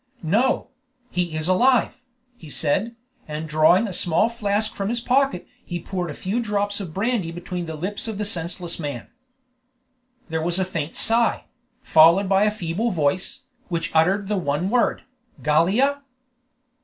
"No; he is alive!" he said, and drawing a small flask from his pocket he poured a few drops of brandy between the lips of the senseless man. There was a faint sigh, followed by a feeble voice, which uttered the one word, "Gallia?"